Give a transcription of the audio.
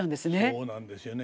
そうなんですよね。